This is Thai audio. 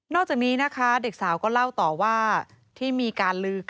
จากนี้นะคะเด็กสาวก็เล่าต่อว่าที่มีการลือ